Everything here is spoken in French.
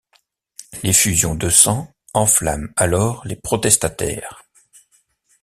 L'effusion de sang enflamme alors les protestataires.